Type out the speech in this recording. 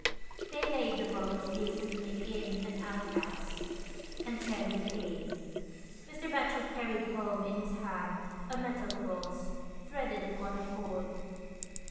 They laid the bones decently in an out house, and turned the key, Mr. Batchel carried home in his hand a metal cross, threaded upon a cord.